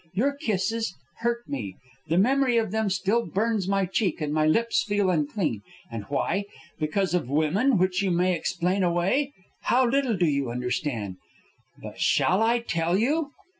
Your kisses hurt me. The memory of them still burns my cheek, and my lips feel unclean. And why? Because of women, which you may explain away? How little do you understand! But shall I tell you?"